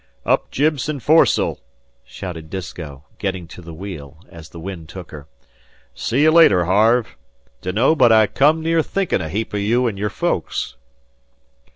"Up jib and fores'l!" shouted Disko, getting to the wheel, as the wind took her. "See you later, Harve. Dunno but I come near thinkin' a heap o' you an' your folks."